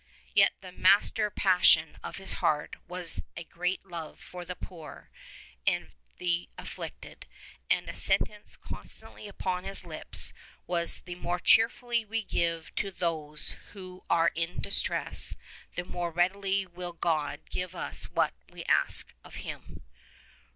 Yet the mas ter passion of his heart was a great love for the poor and the afflicted, and a sentence constantly upon his lips was: "The more cheerfully we give to those who are in distress, the more readily will God give us what we ask of Him."